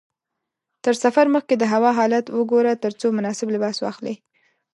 تر سفر مخکې د هوا حالت وګوره ترڅو مناسب لباس واخلې.